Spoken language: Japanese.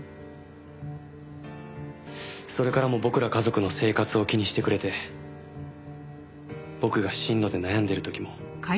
それからも僕ら家族の生活を気にしてくれて僕が進路で悩んでる時も。